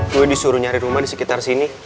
gue disuruh nyari rumah di sekitar sini